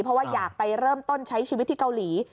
เพราะว่าอยากไปเริ่มต้นใช้ชีวิตที่เกาหลี